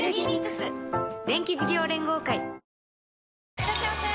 いらっしゃいませ！